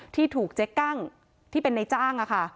ที่ถูกเจ๊กั้งที่เป็นในจ้าง